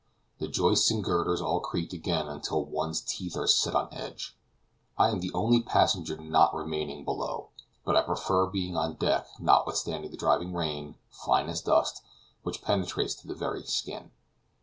The joists and girders all creak again until one's teeth are set on edge. I am the only passenger not remaining below; but I prefer being on deck notwithstanding the driving rain, fine as dust, which penetrates to the very skin.